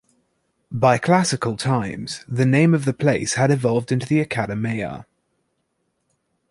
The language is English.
By classical times the name of the place had evolved into the "Akademeia".